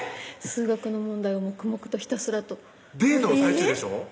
数学の問題を黙々とひたすらとデートの最中でしょ？